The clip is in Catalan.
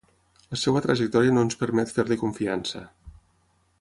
La seva trajectòria no ens permet fer-li confiança.